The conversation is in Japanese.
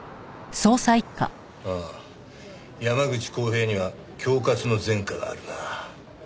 ああ山口孝平には恐喝の前科があるな。